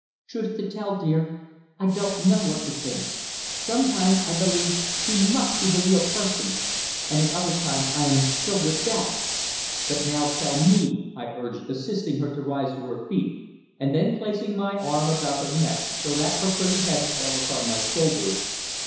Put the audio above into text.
"Truth to tell, dear, I don't know what to think. Sometimes I believe he must be the real person and at other times I am filled with doubt." "But now tell me," I urged, assisting her to rise to her feet and then placing my arm about her neck, so that her pretty head fell upon my shoulder.